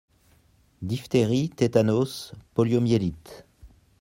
diphtérie, tétanos, poliomyélite.